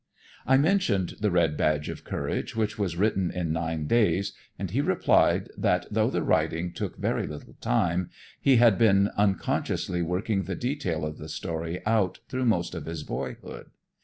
I mentioned "The Red Badge of Courage," which was written in nine days, and he replied that, though the writing took very little time, he had been unconsciously working the detail of the story out through most of his boyhood.